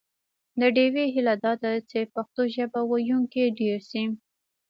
د ډیوې هیله دا ده چې پښتو ژبه ویونکي ډېر شي